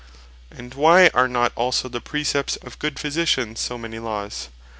And why are not also the Precepts of good Physitians, so many Laws?